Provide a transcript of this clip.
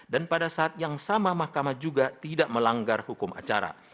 dan pada saat yang sama mahkamah juga tidak melanggar hukum acara